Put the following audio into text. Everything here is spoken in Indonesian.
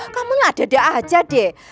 kamu gak dada aja deh